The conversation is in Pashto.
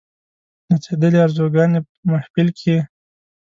نڅېدلې آرزوګاني په محفل کښي